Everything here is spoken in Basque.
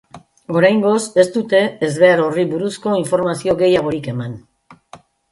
Oraingoz, ez dute ezbehar horri buruzko informazio gehiagorik eman.